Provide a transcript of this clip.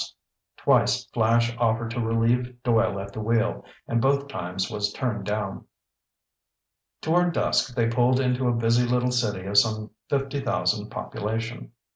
Twice Flash offered to relieve Doyle at the wheel, and both times was turned down. Toward dusk they pulled into a busy little city of some fifty thousand population.